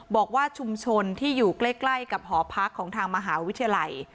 บอกว่าชุมชนที่อยู่ใกล้กับหอพักของทางมหาวิทยาลัย